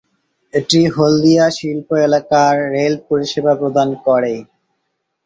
এটি হলদিয়া শিল্প এলাকার রেল পরিষেবা প্রদান করে।